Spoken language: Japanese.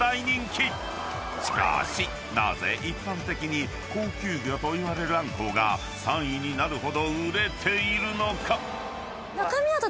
［しかしなぜ一般的に高級魚といわれるあんこうが３位になるほど売れているのか？］